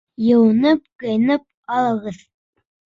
Йыуынып-кейенеп алығыҙ.